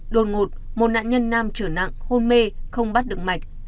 đột ngột một nạn nhân nam trở nặng hôn mê không bắt được mạch